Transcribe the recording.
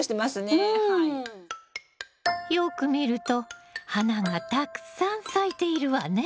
よく見ると花がたくさん咲いているわね！